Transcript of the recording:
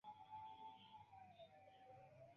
Ĝi estas tre konvena por ĉiutaga kuracista laboro.